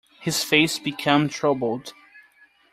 His face became troubled.